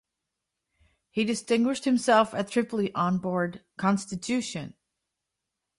He distinguished himself at Tripoli onboard "Constitution".